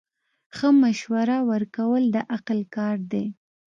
ښه مشوره ورکول د عقل کار دی.